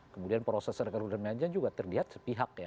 kemudian proses rekening dan meja juga terlihat sepihak ya